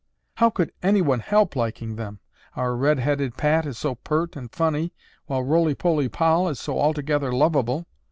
"How could anyone help liking them? Our red headed Pat is so pert and funny, while roly poly Poll is so altogether lovable."